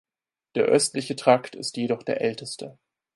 Der östliche Trakt ist jedoch der älteste.